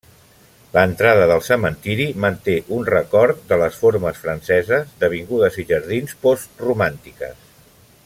L'entrada del cementiri manté un record de les formes franceses d'avingudes i jardins post romàntiques.